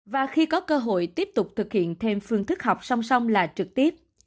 và khi có cơ hội tiếp tục thực hiện thêm phương thức học song song là trực tiếp